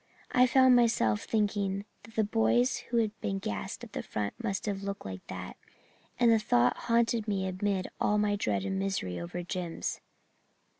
I found myself thinking that the boys who had been gassed at the front must have looked like that, and the thought haunted me amid all my dread and misery over Jims.